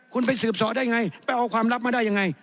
คุณไปสืบสอได้ไงไปเอาความลับมาได้ยังไง